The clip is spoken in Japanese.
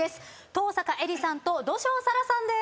登坂絵莉さんと土性沙羅さんです。